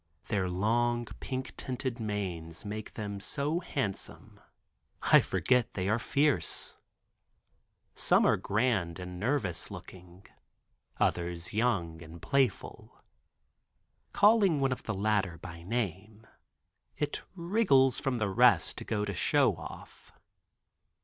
Their long pink tinted manes make them so handsome I forget they are fierce. Some are grand and nervous looking, others young and playful. Calling one of the latter by name, it wriggles from the rest to go to Show Off.